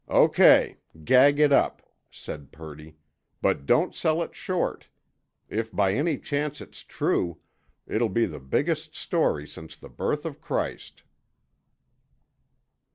"O.K.—gag it up," said Purdy. "But don't sell it short, If by any chance it's true, it'll be the biggest story since the birth of Christ."